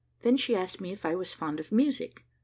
She then asked me if I was fond of music?